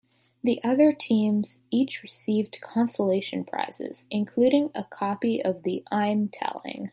The other teams each received consolation prizes, including a copy of the I'm Telling!